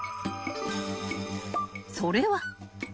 ［それは］